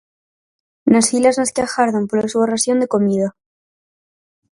Nas filas nas que agardan pola súa ración de comida.